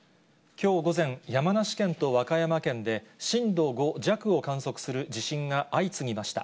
きょう午前、山梨県と和歌山県で、震度５弱を観測する地震が相次ぎました。